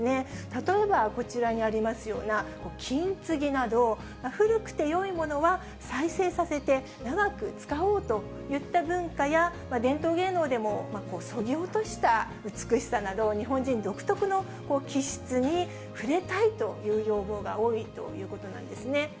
例えば、こちらにありますような金継ぎなど、古くてよいものは再生させて長く使おうといった文化や、伝統芸能でも、そぎ落とした美しさなど、日本人独特の気質にふれたいという要望が多いということなんですね。